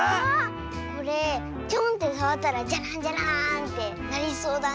これチョンってさわったらジャランジャラーンってなりそうだね。